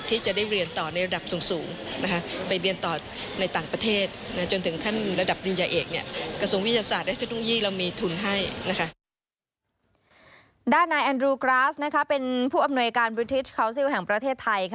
ด้านนายแอนดรูลกราซเป็นผู้อำนวยการวิทยาศาสตร์